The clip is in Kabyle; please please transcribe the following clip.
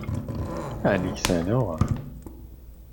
Aεni ksaneɣ?